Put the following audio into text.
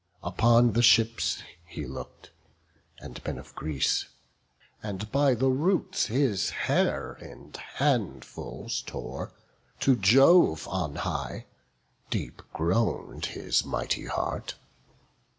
Upon the ships he look'd, and men of Greece, And by the roots his hair in handfuls tore To Jove on high; deep groan'd his mighty heart.